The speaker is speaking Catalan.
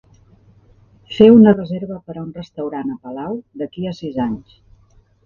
Fer una reserva per a un restaurant a Palau d'aquí a sis anys